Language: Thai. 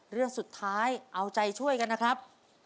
เรื่องสุดท้ายเอาใจช่วยกันนะครับ